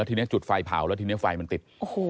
ทีนี้จุดไฟเผาแล้วทีนี้ไฟมันติด